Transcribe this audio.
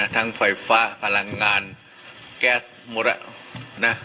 ทั้งไฟฟ้าพลังงาลแก๊สหมดน่ะ